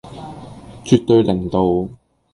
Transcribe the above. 絕對零度